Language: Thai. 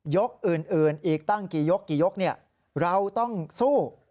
ยกอื่นอีกตั้งกี่ยกเราต้องสู้